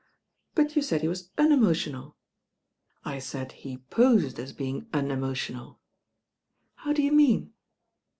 ^*" '•But you .aid he was unemotional." I said he posed as being unemotional." How do you mean?"